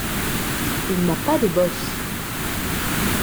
Il n'a pas de bosse.